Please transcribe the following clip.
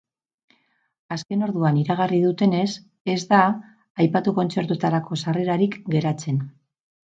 Azken orduan iragarri dutenez, ez da aipatu kontzertuetarako sarrerarik geratzen.